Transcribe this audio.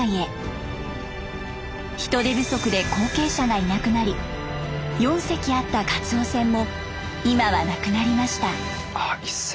人手不足で後継者がいなくなり４隻あったカツオ船も今はなくなりました。